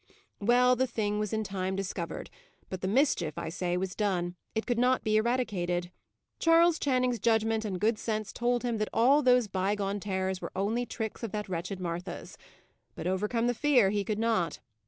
Well, the thing was in time discovered, but the mischief, I say, was done. It could not be eradicated. Charles Channing's judgment and good sense told him that all those bygone terrors were only tricks of that wretched Martha's: but, overcome the fear, he could not.